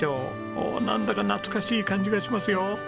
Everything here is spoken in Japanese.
おおなんだか懐かしい感じがしますよ。